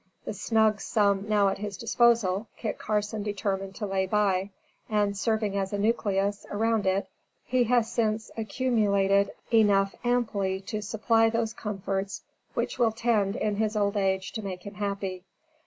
The snug sum now at his disposal, Kit Carson determined to lay by; and serving as a nucleus, around it, he has since accumulated enough amply to supply those comforts which will tend, in his old age, to make him happy.